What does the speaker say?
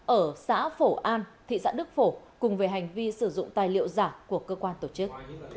ở xã phổ an thị xã đức phổ cùng về hành vi sử dụng tài liệu giả của cơ quan tổ chức